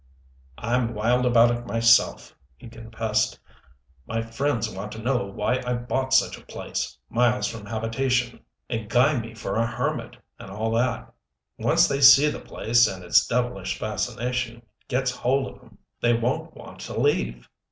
"I'm wild about it myself," he confessed. "My friends want to know why I bought such a place miles from a habitation and guy me for a hermit, and all that. Once they see the place, and its devilish fascination gets hold of 'em, they won't want to leave."